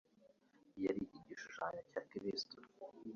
Yari igishushanyo cya Kristo.